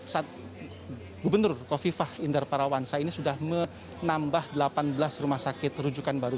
saat gubernur kofifah indar parawansa ini sudah menambah delapan belas rumah sakit rujukan baru